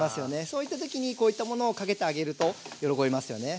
そういった時にこういったものをかけてあげると喜びますよね。